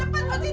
kenapa di sini